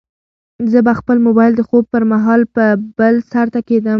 زه به خپل موبایل د خوب پر مهال په بل سرته کېږدم.